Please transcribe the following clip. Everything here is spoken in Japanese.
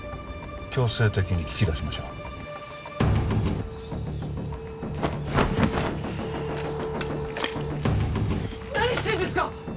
強制的に聞き出しましょう何してんですか！